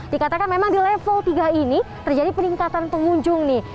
dikatakan memang di level tiga ini terjadi peningkatan pengunjung nih